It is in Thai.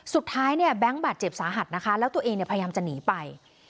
สุดท้ายเนี่ยแบงค์บาดเจ็บสาหัสนะคะแล้วตัวเองเนี่ยพยายามจะหนีไป